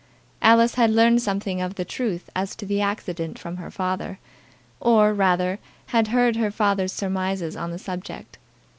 Alice had learned something of the truth as to the accident from her father; or, rather, had heard her father's surmises on the subject.